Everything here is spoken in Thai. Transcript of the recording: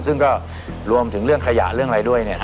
ซึ่งก็รวมถึงเรื่องขยะเรื่องอะไรด้วย